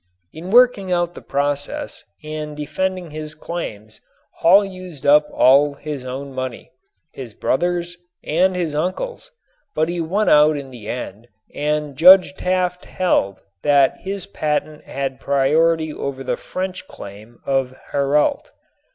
In working out the process and defending his claims Hall used up all his own money, his brother's and his uncle's, but he won out in the end and Judge Taft held that his patent had priority over the French claim of Hérault.